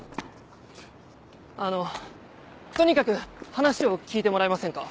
あのとにかく話を聞いてもらえませんか。